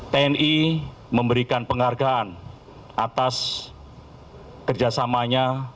tni memberikan penghargaan atas kerjasamanya